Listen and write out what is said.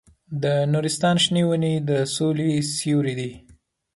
د نورستان شنې ونې د سولې سیوري دي.